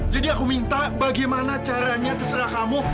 aku minta bagaimana caranya terserah kamu